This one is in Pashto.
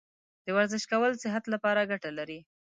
د ورزش کول صحت لپاره ګټه لري.